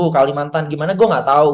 kalimantan gimana gue gak tau